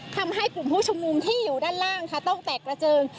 ทำให้กลุ่มผู้ชุมนุมที่อยู่ด้านล่างค่ะต้องแตกกระเจิง